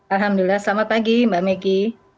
alhamdulillah selamat pagi mbak meggy